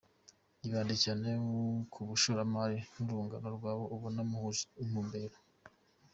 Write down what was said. Ibande cyane ku bashoramari n’urungano rwawe ubona muhuje intumbero.